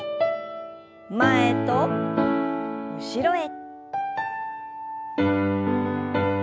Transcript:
前と後ろへ。